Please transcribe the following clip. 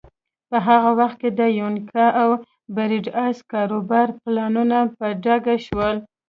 په هغه وخت کې د یونیکال او بریډاس کاروباري پلانونه په ډاګه شول.